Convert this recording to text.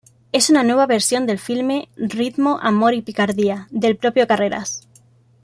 Es una nueva versión del filme "Ritmo, amor y picardía", del propio Carreras.